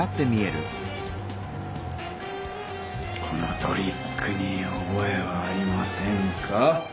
このトリックにおぼえはありませんか？